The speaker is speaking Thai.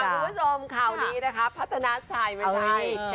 คุณผู้ชมข่าวนี้นะคะพัฒนาชัยไม่ใช่